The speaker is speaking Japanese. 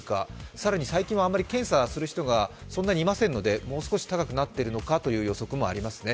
更に最近はあまり検査する人がそんなにいませんので、もう少し高くなっているのかという予測もありますね。